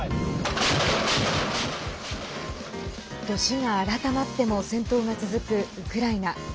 年が改まっても戦闘が続くウクライナ。